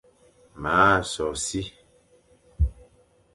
M a so si.